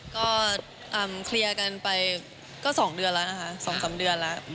ก็เคลียร์กันไปก็๒เดือนแล้วนะคะ๒๓เดือนแล้ว